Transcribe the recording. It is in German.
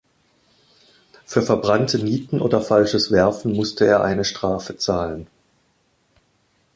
Für verbrannte Nieten oder falsches Werfen musste er eine Strafe zahlen.